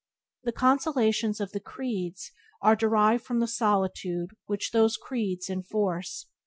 The consolations of the creeds are derived from the solitude which those creeds enforce.